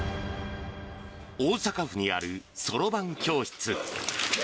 大阪府にあるそろばん教室。